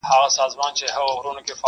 ښه پر بدوښه هغه دي قاسم یاره,